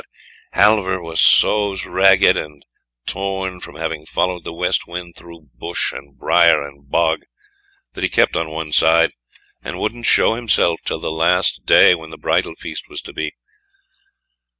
But Halvor was so ragged and torn from having followed the West Wind through bush and brier and bog, that he kept on one side, and wouldn't show himself till the last day when the bridal feast was to be.